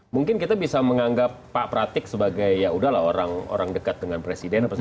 mungkin kita bisa menganggap pak pratik sebagai ya udahlah orang dekat dengan presiden